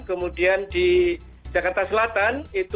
kemudian di jakarta selatan itu tujuh puluh dua